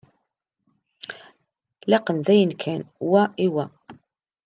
Laqen dayen kan wa i wa.